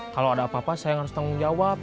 kalau ada apa apa saya harus tanggung jawab